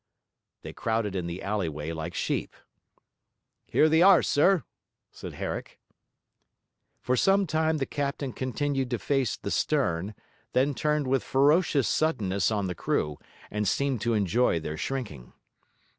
They crowded in the alleyway like sheep. 'Here they are, sir,' said Herrick. For some time the captain continued to face the stern; then turned with ferocious suddenness on the crew, and seemed to enjoy their shrinking.